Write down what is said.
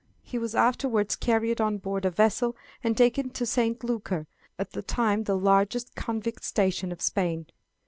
He was afterwards carried on board a vessel and taken to St. Lucar, at that time the largest convict station of Spain.